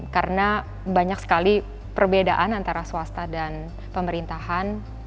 karena banyak sekali perbedaan antara swasta dan pemerintahan